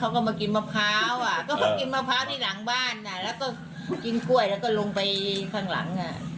เขาก็มากินมะพร้าวอ่ะก็มากินมะพร้าวที่หลังบ้านแล้วก็กินกล้วยแล้วก็ลงไปข้างหลัง